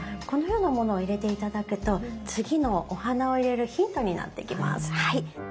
このようなものを入れて頂くと次のお花を入れるヒントになってきます。